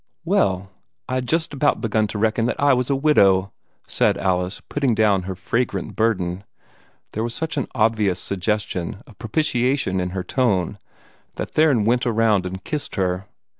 "Well! I'd just about begun to reckon that I was a widow," said Alice, putting down her fragrant burden. There was such an obvious suggestion of propitiation in her tone that Theron went around and kissed her.